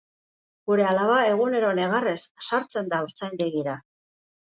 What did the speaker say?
Gure alaba egunero negarrez sartzen da haurtzaindegira.